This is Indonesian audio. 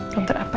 komentar apa ya